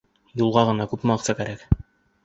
Юлға ғына күпме аҡса кәрәк.